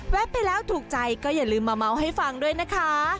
ไปแล้วถูกใจก็อย่าลืมมาเมาส์ให้ฟังด้วยนะคะ